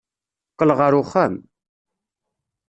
Qqel ɣer uxxam.